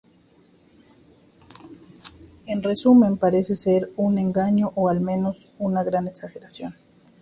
En resumen, parece ser un engaño o al menos una gran exageración".